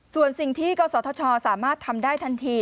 ส่วนสิ่งที่กศธชสามารถทำได้ทันที